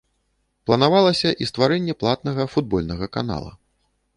Планавалася і стварэнне платнага футбольнага канала.